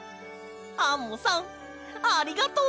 アンモさんありがとう！